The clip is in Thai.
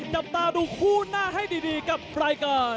จับตาดูคู่หน้าให้ดีกับรายการ